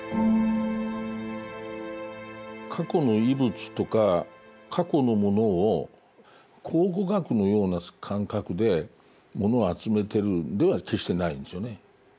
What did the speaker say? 過去の遺物とか過去のものを考古学のような感覚でものを集めているのでは決してないんですよね。